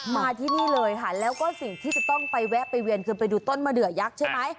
มาที่นี่เลยค่ะแล้วก็สิ่งที่จะต้องไปแวะไปเวียนคือไปดูต้นมะเดือยักษ์ใช่ไหม